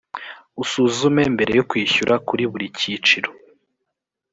usuzume mbere yo kwishyura kuri buri cyiciro